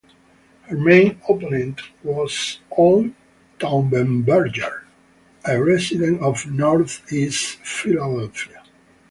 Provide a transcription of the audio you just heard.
Her main opponent was Al Taubenberger, a resident of Northeast Philadelphia.